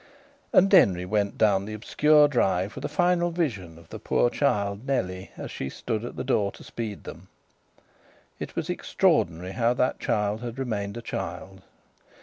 And Denry went down the obscure drive with a final vision of the poor child, Nellie, as she stood at the door to speed them. It was extraordinary how that child had remained a child.